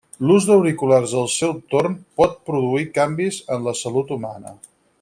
L'ús d'auriculars al seu torn pot produir canvis en la salut humana.